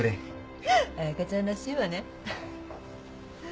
フフッ彩佳ちゃんらしいわね。